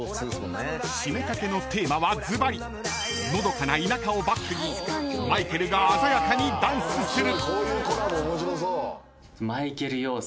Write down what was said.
［七五三掛のテーマはずばりのどかな田舎をバックにマイケルが鮮やかにダンスする！］